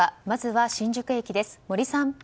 まずは新宿駅です、森さん。